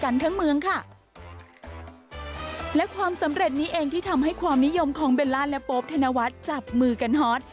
และความสำเร็จนี้เองที่ทำให้ความนิยมของเบลล่าและโป๊บธนวัฒน์จับมือกันฮอต